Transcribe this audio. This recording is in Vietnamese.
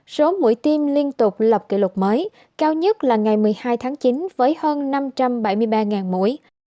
số mũi tiêm liên tục lập kỷ lục mới cao nhất là ngày một mươi hai tháng chín với hơn năm trăm bảy mươi ba mũi